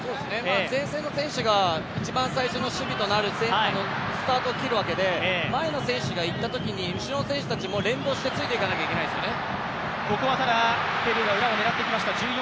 前線の選手がいちばん最初となるスタートを切るわけで前の選手がいったときに、後ろの選手たちも連動してついていかなきゃいけないですよね。